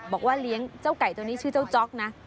บอกว่าเลี้ยงเจ้าไก่ตัวนี้ชื่อเจ้าจ๊อกนะ